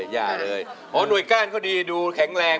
ยากเลยนุ่ยก้านก็ดีดูแข็งแรง